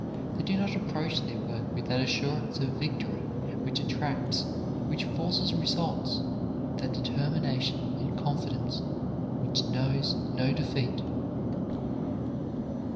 They do not approach their work with that assurance of victory which attracts, which forces results, that determination and confidence which knows no defeat.